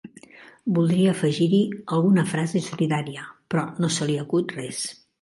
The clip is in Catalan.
Voldria afegir-hi alguna frase solidària, però no se li acut res.